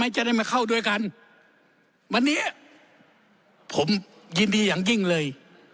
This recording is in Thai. จะได้มาเข้าด้วยกันวันนี้ผมยินดีอย่างยิ่งเลย